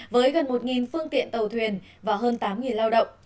với gần một phương tiện tàu thuyền và hơn tám lao động